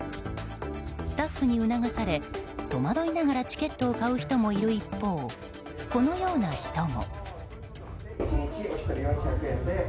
スタッフに促され、戸惑いながらチケットを買う人もいる一方このような人も。